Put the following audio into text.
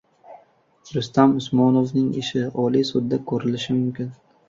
«Rustam Usmonovning ishi» Oliy sudda ko‘rilishi mumkin